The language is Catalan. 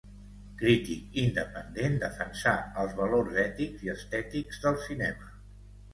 Crític independent defensà els valors ètics i estètics del cinema.